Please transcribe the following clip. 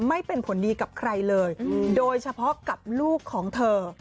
ไม่เป็นผลดีกับใครเลยโดยเฉพาะกับลูกของเธอ